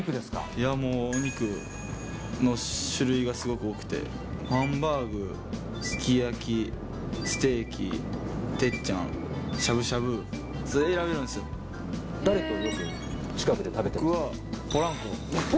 いやもう、お肉の種類がすごく多くて、ハンバーグ、すき焼き、ステーキ、てっちゃん、しゃぶしゃぶ、誰とよく、近くで食べたり。